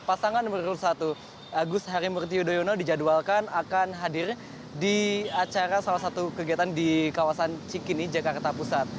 pasangan nomor satu agus harimurti yudhoyono dijadwalkan akan hadir di acara salah satu kegiatan di kawasan cikini jakarta pusat